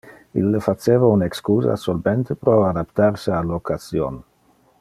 Ille faceva un excusa solmente pro adaptar se al occasion.